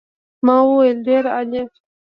ما وویل ډېر عالي.